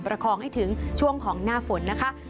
ประคองให้ถึงช่วงของหน้าฝนนะคะ